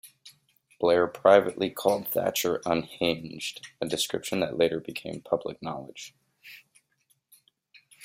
Blair privately called Thatcher "unhinged", a description that later became public knowledge.